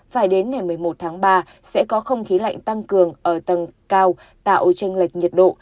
phải đến ngày một mươi một tháng ba sẽ có không khí lạnh tăng cường ở tầng cao tạo tranh lệch nhiệt độ